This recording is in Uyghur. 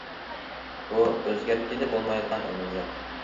بۇ ئۆزگەرتكىلى بولمايدىغان ئەمەلىيەت.